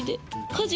家事。